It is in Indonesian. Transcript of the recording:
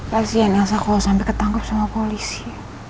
kasian elsa kalau sampai ketangkep sama polisi